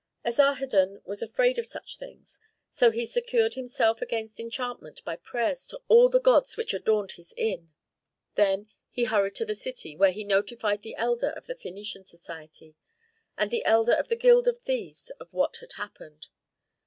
Asarhadon was afraid of such things; so he secured himself against enchantment by prayers to all the gods which adorned his inn. Then he hurried to the city, where he notified the elder of the Phœnician society and the elder of the guild of thieves of what had happened.